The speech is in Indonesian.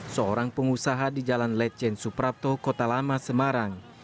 seorang pengusaha di jalan lecen suprapto kota lama semarang